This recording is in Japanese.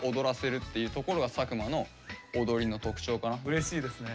うれしいですね。